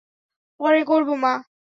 পরে করবো, মা।